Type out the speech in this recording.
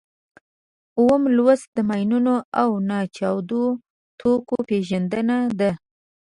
اووم لوست د ماینونو او ناچاودو توکو پېژندنه ده.